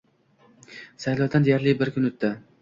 Saylovdan deyarli bir kun o'tdi